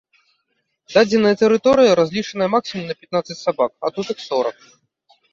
Дадзеная тэрыторыя разлічаная максімум на пятнаццаць сабак, а тут іх сорак.